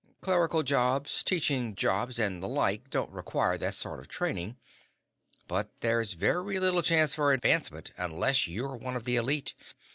Clerical jobs, teaching jobs, and the like don't require that sort of training. But there's very little chance for advancement unless you're one of the elite.